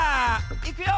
いくよ！